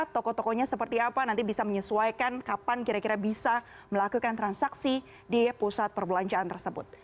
toko tokonya seperti apa nanti bisa menyesuaikan kapan kira kira bisa melakukan transaksi di pusat perbelanjaan tersebut